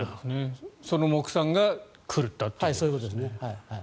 その目算が狂ったということですね。